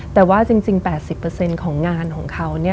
แต่ว่าจริง๘๐ของงานของเขา